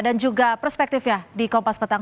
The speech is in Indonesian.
dan juga perspektifnya di kompas petang